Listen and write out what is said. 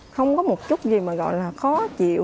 không có một chút gì mà gọi là khó chịu